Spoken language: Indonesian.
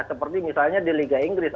seperti misalnya di liga inggris